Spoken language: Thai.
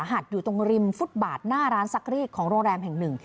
อยู่สาหัสอยู่ตรงริมฟุตบาทหน้าร้านสักเรียกของโรงแรมแห่งหนึ่ง